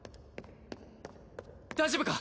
大丈夫か？